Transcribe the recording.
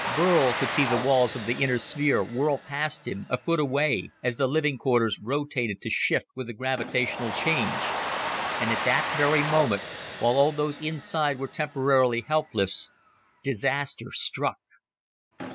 Burl could see the walls of the inner sphere whirl past him, a foot away, as the living quarters rotated to shift with the gravitational change. And at that very moment, while all those inside were temporarily helpless, disaster struck.